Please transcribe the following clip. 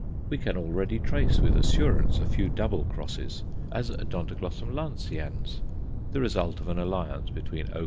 We can already trace with assurance a few double crosses, as O. lanceans, the result of an alliance between _O.